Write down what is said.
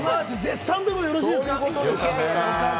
まだま絶賛ということで、よろしいですかね？